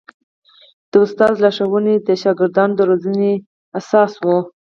د ښوونکي لارښوونې د زده کوونکو د روزنې اساس و.